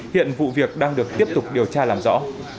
hiện vụ việc đang được tiếp tục điều tra làm rõ